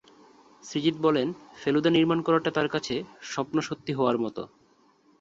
সৃজিত বলেন ফেলুদা নির্মাণ করাটা তার কাছে স্বপ্ন সত্যি হওয়ার মত।